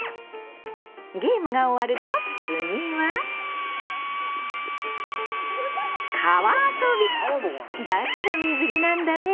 ゲームが終わると次はだから水着なんだね！